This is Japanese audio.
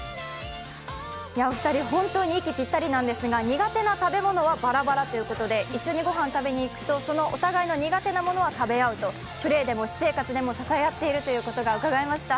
２人、本当に息ぴったりなんですが苦手な食べ物はばらばらということで一緒にご飯を食べに行くとお互いの苦手なものは食べ合うとプレーでも私生活でも支え合っているということがうかがえました。